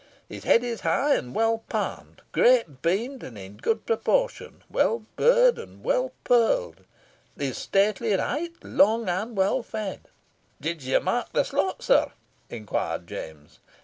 His head is high and well palmed, great beamed and in good proportion, well burred and well pearled. He is stately in height, long, and well fed." "Did you mark the slot, sir?" inquired James.